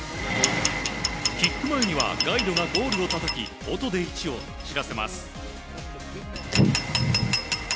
キック前にはガイドがゴールをたたき音で位置を知らせます。